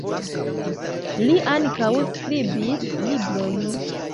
Li ankaŭ skribis librojn.